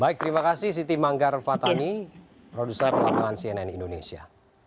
baik terima kasih siti manggar fatani produser lapangan cnn indonesia